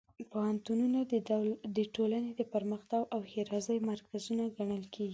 پوهنتونونه د ټولنې د پرمختګ او ښېرازۍ مرکزونه ګڼل کېږي.